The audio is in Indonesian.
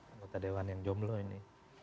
anggota dewan yang jomblo ini